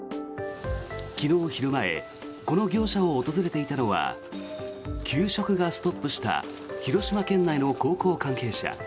昨日昼前この業者を訪れていたのは給食がストップした広島県内の高校関係者。